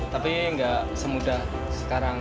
tapi gak semudah sekarang